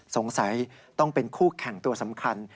สงสัยต้องเป็นคู่แข่งตัวสำคัญ